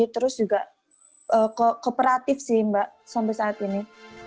terus juga kooperatif sih mbak sampai saat ini